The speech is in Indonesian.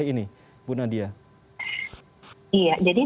kami bisa bawain antar